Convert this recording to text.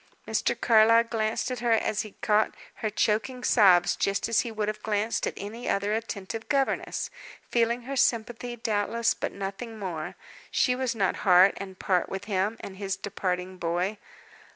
Mr. Carlyle glanced at her as he caught her choking sobs just as he would have glanced at any other attentive governess feeling her sympathy, doubtless, but nothing more; she was not heart and part with him and his departing boy.